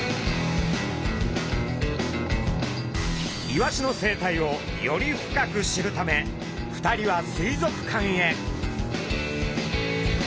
イワシの生態をより深く知るため２人は水族館へ。